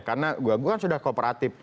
karena gue kan sudah kooperatif